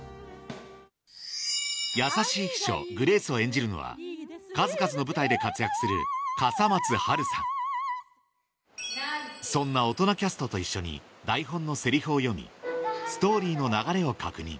優しい秘書グレースを演じるのは数々の舞台で活躍するそんな大人キャストと一緒に台本のセリフを読みストーリーの流れを確認